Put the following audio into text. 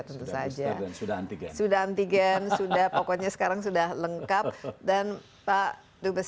tentu saja sudah antigen sudah antigen sudah pokoknya sekarang sudah lengkap dan pak dubes